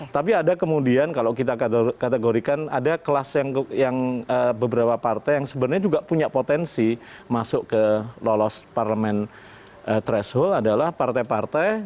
tapi ada kemudian kalau kita kategorikan ada kelas yang beberapa partai yang sebenarnya juga punya potensi masuk ke lolos parlemen threshold adalah partai partai